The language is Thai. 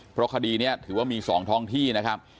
เพราะคดีนี้ถือว่ามี๒ท้องที่นะครับ